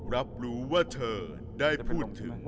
รับรู้ว่าเธอได้พูดถึง